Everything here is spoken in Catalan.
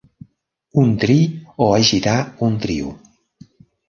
Un tri, o agitar un trio